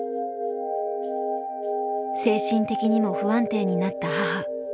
精神的にも不安定になった母。